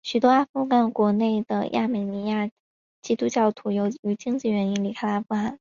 许多阿富汗国内的亚美尼亚裔基督徒由于经济原因离开了阿富汗。